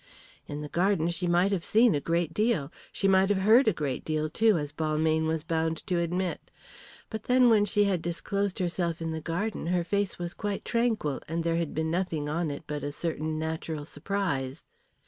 In the garden she might have seen a great deal. She might have heard a great deal, too, as Balmayne was bound to admit. But then when she had disclosed herself in the garden her face was quite tranquil, there had been nothing on it but a certain natural surprise.